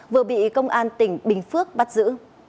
vừa bị công an tỉnh bình phước bắt giữ